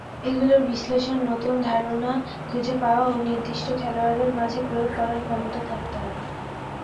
এগুলোর বিশ্লেষণ, নতুন ধারণা খুঁজে পাওয়া ও নির্দিষ্ট খেলোয়াড়ের মাঝে প্রয়োগ করার ক্ষমতা থাকতে হবে।